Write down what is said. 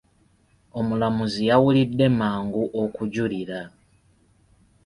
Omulamuzi yawulidde mangu okujulira.